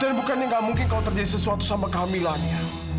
dan bukannya gak mungkin kalau terjadi sesuatu sama kamilah